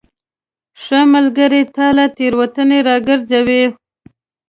ښه ملګری تا له تیروتنو راګرځوي.